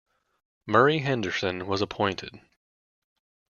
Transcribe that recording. Murray Henderson was appointed.